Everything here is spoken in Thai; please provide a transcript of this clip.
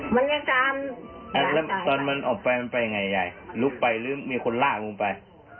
มันยังตามแล้วตอนมันออกไปมันไปยังไงยายลุกไปหรือมีคนลากลงไป